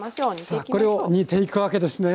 さあこれを煮ていくわけですね。